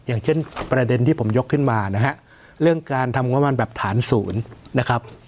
อย่างเช่นประเด็นที่ผมยกขึ้นมานะฮะเรื่องการทำงบประมาณแบบฐานศูนย์นะครับ